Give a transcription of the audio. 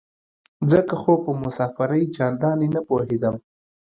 ځکه خو په مسافرۍ چندانې نه پوهېدم.